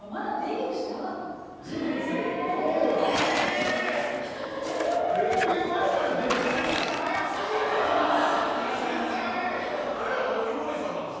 デビュー前から出てたの？